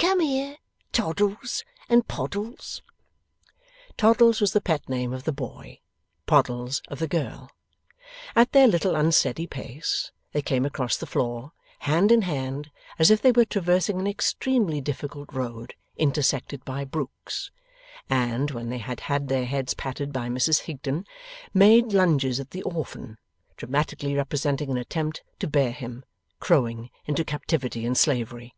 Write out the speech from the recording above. Come here, Toddles and Poddles.' Toddles was the pet name of the boy; Poddles of the girl. At their little unsteady pace, they came across the floor, hand in hand, as if they were traversing an extremely difficult road intersected by brooks, and, when they had had their heads patted by Mrs Betty Higden, made lunges at the orphan, dramatically representing an attempt to bear him, crowing, into captivity and slavery.